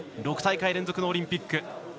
６大会連続のオリンピック。